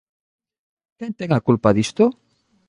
Quen ten a culpa disto?